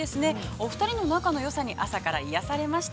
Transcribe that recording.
お二人の中のよさに朝から癒やされました。